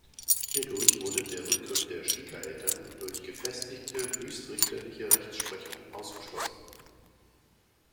Hierdurch wurde der Rückgriff der Schwiegereltern durch gefestigte höchstrichterliche Rechtsprechung ausgeschlossen.